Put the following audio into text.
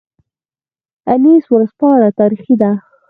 انیس ورځپاڼه تاریخي ده